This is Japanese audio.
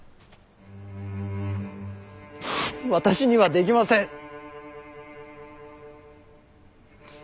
私にはできません。